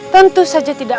tentu saja tidak